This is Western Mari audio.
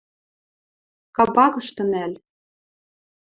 Кабакышты нӓл...